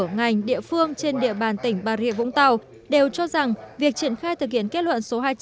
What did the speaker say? ngành địa phương trên địa bàn tỉnh bà rịa vũng tàu đều cho rằng việc triển khai thực hiện kết luận số hai trăm linh